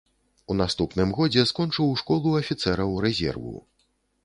У наступным годзе скончыў школу афіцэраў рэзерву.